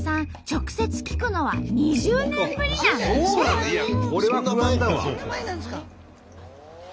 直接聞くのは２０年ぶりなんだって！